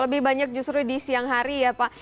lebih banyak justru di siang hari ya pak